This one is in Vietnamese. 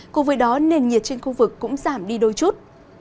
cùng với đó nền nhiệt trên khu vực cũng giảm đi đôi chút